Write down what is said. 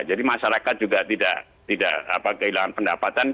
jadi masyarakat juga tidak kehilangan pendapatan